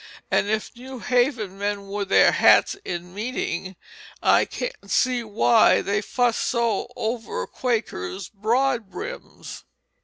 And if New Haven men wore their hats in meeting, I can't see why they fussed so over the Quakers' broadbrims.